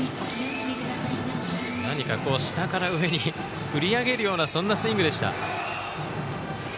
何か、下から上に振り上げるようなそんなスイングでした。